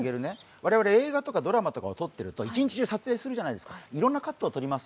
我々映画とかドラマとか撮ってると一日中撮影するじゃないですか、いろんなカットを撮ります。